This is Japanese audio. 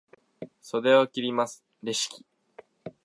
袖を切ります、レシキ。